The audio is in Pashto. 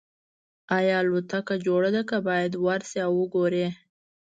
ایا الوتکه جوړه ده که باید ورشئ او وګورئ